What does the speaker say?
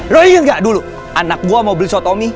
lo inget gak dulu anak gue mau beli sotomi